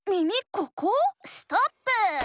ここ⁉ストップー！